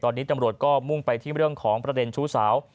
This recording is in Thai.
ตอนนี้ตำรวจก็มุ่งไปที่เรื่องของประเด็นชู้สาว